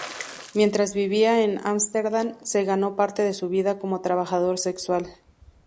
Mientras vivía en Ámsterdam se ganó parte de su vida como trabajador sexual.